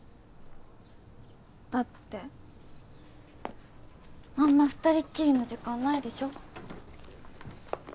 だってあんま二人っきりの時間ないでしょ？